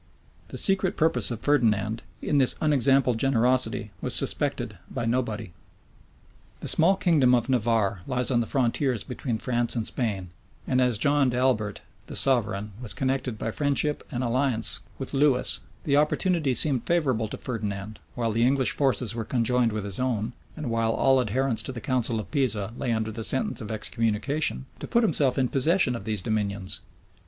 The secret purpose of Ferdinand, in this unexampled generosity, was suspected by nobody. The small kingdom of Navarre lies on the frontiers between France and Spain; and as John d'Albert, the sovereign, was connected by friendship and alliance with Lewis, the opportunity seemed favorable to Ferdinand, while the English forces were conjoined with his own, and while all adherents to the council of Pisa lay under the sentence of excommunication, to put himself in possession of these dominions.